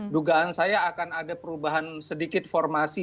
dugaan saya akan ada perubahan sedikit formasi